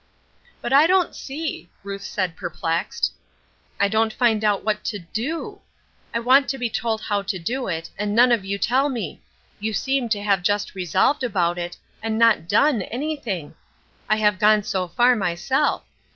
"But I don't see," Ruth said, perplexed. "I don't find out what to do. I want to be told how to do it, and none of you tell me; you seem to have just resolved about it, and not done anything. I have gone so far myself.